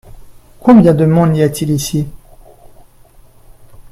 Combien de monde y a-t-il ici ?